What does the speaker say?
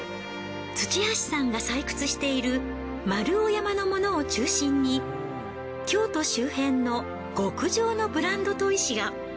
土橋さんが採掘している丸尾山のものを中心に京都周辺の極上のブランド砥石が。